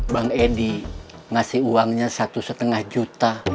bang edi ngasih uangnya satu lima juta